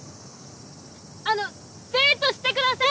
あのデートしてください！